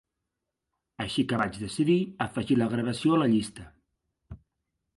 Així que vaig decidir afegir la gravació a la llista.